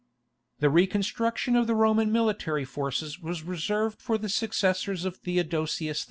_ The reconstruction of the Roman military forces was reserved for the successors of Theodosius II.